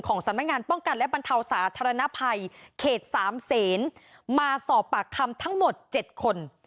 สำนักงานป้องกันและบรรเทาสาธารณภัยเขต๓เซนมาสอบปากคำทั้งหมด๗คน